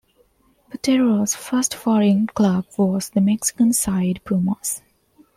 Botero's first foreign club was the Mexican side Pumas.